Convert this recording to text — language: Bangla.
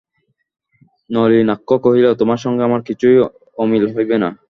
নলিনাক্ষ কহিল, তোমার সঙ্গে আমার কিছুই অমিল হইবে না।